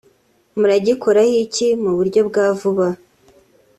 Muragikoraho iki mu buryo bwa vuba